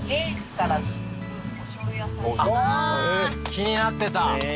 気になってた。